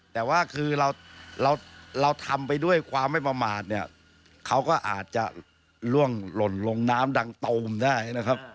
แต่ว่าคือเราเราทำไปด้วยความไม่ประมาทเนี่ยเขาก็อาจจะล่วงหล่นลงน้ำดังตูมได้นะครับ